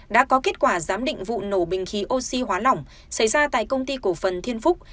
đã có kết quả giám định vụ nổ bình khí oxy hóa lỏng xảy ra tại công ty cổ phần thiên phúc